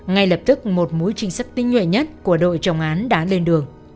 ngay lập tức một mối trình sắc tinh nhuệ nhất của đội trọng án đã lên đường